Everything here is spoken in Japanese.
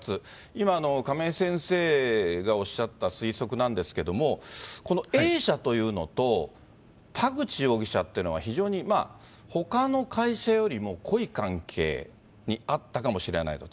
今、亀井先生がおっしゃった推測なんですけれども、このＡ社というのと、田口容疑者っていうのは、非常にほかの会社よりも濃い関係にあったかもしれないと。